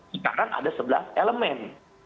sekarang ada sebelas elemen